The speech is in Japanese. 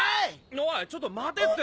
おいちょっと待てって！